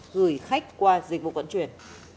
gửi khách qua dịch vụ vận chuyển